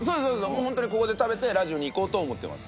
もう本当にここで食べてラジオに行こうと思ってます。